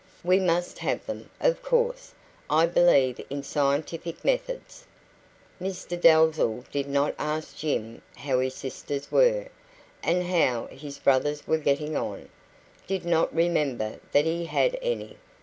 "We must have them, of course. I believe in scientific methods." Mr Dalzell did not ask Jim how his sisters were, and how his brothers were getting on did not remember that he had any.